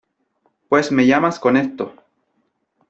pues me llamas con esto .